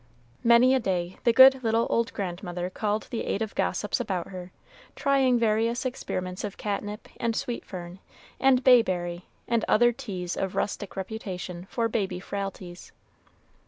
Many a day the good little old grandmother called the aid of gossips about her, trying various experiments of catnip, and sweet fern, and bayberry, and other teas of rustic reputation for baby frailties.